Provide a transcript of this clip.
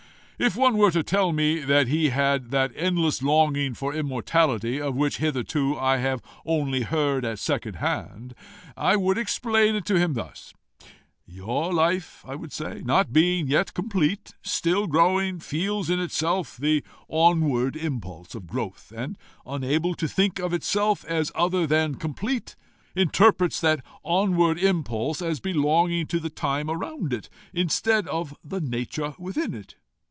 If one were to tell me that he had that endless longing for immortality, of which hitherto I have only heard at second hand, I would explain it to him thus: Your life, I would say, not being yet complete, still growing, feels in itself the onward impulse of growth, and, unable to think of itself as other than complete, interprets that onward impulse as belonging to the time around it instead of the nature within it.